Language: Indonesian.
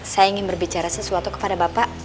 saya ingin berbicara sesuatu kepada bapak